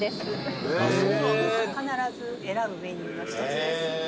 「必ず選ぶメニューの一つです」